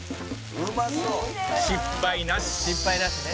「失敗なしね」